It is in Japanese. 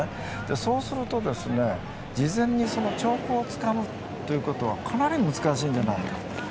そうすると事前に兆候をつかむということはかなり難しいんじゃないかと。